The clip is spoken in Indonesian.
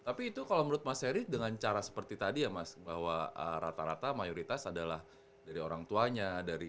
tapi itu kalau menurut mas heri dengan cara seperti tadi ya mas bahwa rata rata mayoritas adalah dari orang tuanya